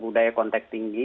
budaya kontek tinggi